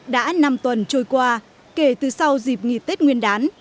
đã năm tuần trôi qua kể từ sau dịp nghỉ tết nguyên đán